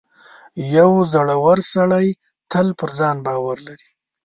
• یو زړور سړی تل پر ځان باور لري.